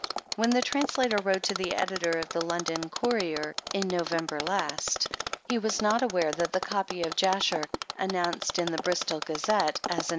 When the translator wrote to the Editor of the London Courier, in November last, he was not aware that the copy of Jasher, announced in the Bristol Gazette as an TRANSLATOR'S PREFACE.